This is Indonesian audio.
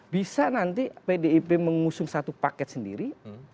bisa nanti pdip mengusung satu paket sendiri